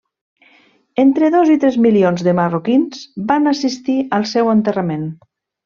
Entre dos i tres milions de marroquins van assistir al seu enterrament.